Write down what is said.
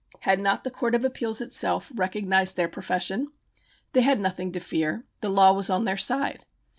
Had not the Court of Appeals itself recognized their profession? They had nothing to fear. The law was on their side.